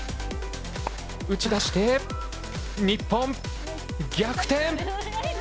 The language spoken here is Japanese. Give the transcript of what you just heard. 打ち出して、日本、逆転。